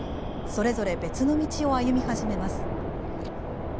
それぞれ別の道を歩み始めます。